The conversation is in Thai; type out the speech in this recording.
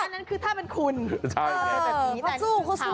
นั่นคือถ้าเป็นคุณเพราะแส้งครึกเท้า